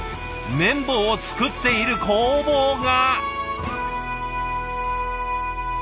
麺棒を作っている工房が！